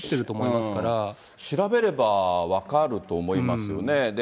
ま調べればわかると思いますよね。